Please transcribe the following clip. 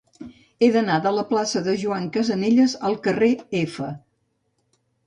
He d'anar de la plaça de Joan Casanelles al carrer F.